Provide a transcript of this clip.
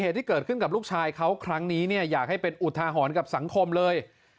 ที่เกิดขึ้นกับลูกชายเขาครั้งนี้เนี่ยอยากให้เป็นอุทาหรณ์กับสังคมเลย